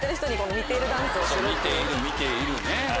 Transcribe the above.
見ている見ているね。